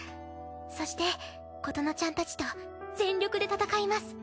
そして琴乃ちゃんたちと全力で戦います。